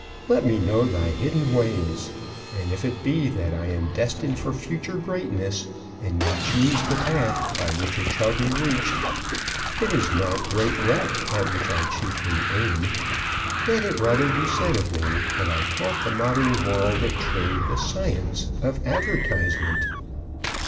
Let me know thy hidden ways, and if it be that I am destined for future greatness, and may choose the path by which it shall be reached, it is not great wealth at which I chiefly aim. Let it rather be said of me that I taught the modern world of trade the science of advertisement."